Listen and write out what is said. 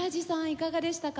いかがでしたか？